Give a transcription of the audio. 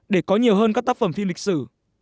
để có nhiều hơn các tác phẩm phim lịch sử